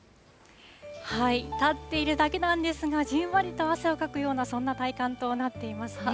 立っているだけなんですが、じんわりと汗をかくようなそんな体感となっていますね。